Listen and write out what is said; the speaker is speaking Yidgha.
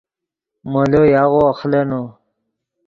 مولو یاغو اخلینو